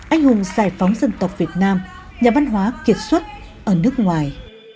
anh hùng giải phóng dân tộc việt nam nhà văn hóa kiệt xuất ở nước ngoài